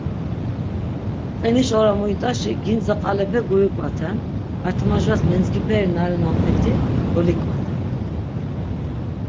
Qiniş ora muyit̆aşi gindze qalepe gurik̆vaten, artimajvas mendzkiperi na renanpeti dolik̆vaten.